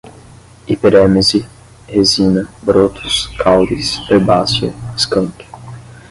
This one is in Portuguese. hiperêmese, resina, brotos, caules, herbácea, skunk